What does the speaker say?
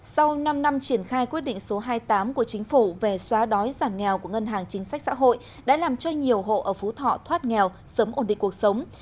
sau năm năm triển khai quyết định số hai mươi tám của chính phủ về xóa đói giảm nghèo của ngân hàng chính sách xã hội đã làm cho nhiều hộ ở phú thọ thoát nghèo sớm ổn định cuộc sống